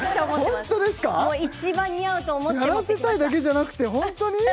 一番似合うと思ってやらせたいだけじゃなくてホントに？